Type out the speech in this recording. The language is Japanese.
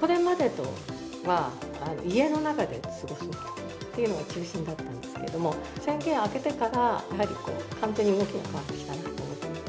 これまでとは、家の中で過ごすものっていうのが中心だったんですけれども、宣言明けてから、やはり完全に動きが変わってきたなと。